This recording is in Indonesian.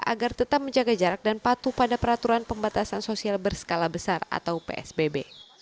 agar tetap menjaga jarak dan patuh pada peraturan pembatasan sosial berskala besar atau psbb